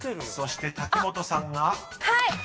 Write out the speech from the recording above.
［そして瀧本さんが］はい！